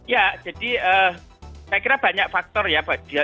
ya jadi saya kira banyak faktor ya